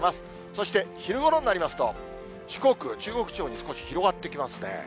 そして昼ごろになりますと、四国、中国地方に少し広がってきますね。